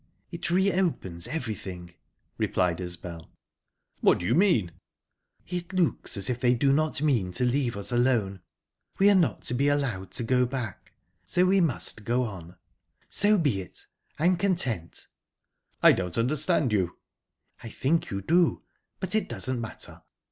"It reopens everything," replied Isbel. "What do you mean?" "It looks as if they do not mean to leave us alone. We are not to be allowed to go back, so we must go on. So be it! I am content." "I don't understand you." "I think you do, but it doesn't matter."